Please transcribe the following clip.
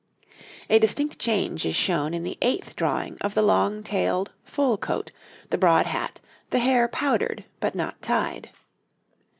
A distinct change is shown in the eighth drawing of the long tailed, full coat, the broad hat, the hair powdered, but not tied.